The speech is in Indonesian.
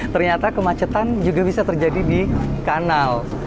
ternyata kemacetan juga bisa terjadi di kanal